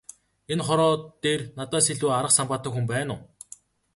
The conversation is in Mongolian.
Энэ хорвоо дээр надаас илүү арга самбаатай хүн байна уу?